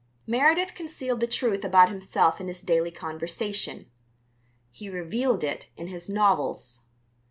Meredith concealed the truth about himself in his daily conversation; he revealed it in his novels.